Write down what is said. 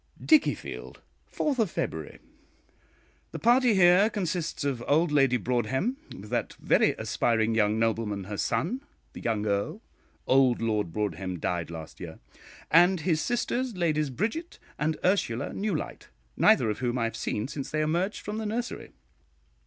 DICKIEFIELD, 4th February. The party here consists of old Lady Broadhem, with that very aspiring young nobleman, her son, the young Earl (old Lord Broadhem died last year), and his sisters, Ladies Bridget and Ursula Newlyte, neither of whom I have seen since they emerged from the nursery.